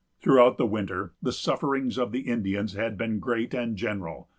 Throughout the winter, the sufferings of the Indians had been great and general.